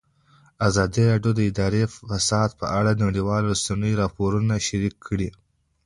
ازادي راډیو د اداري فساد په اړه د نړیوالو رسنیو راپورونه شریک کړي.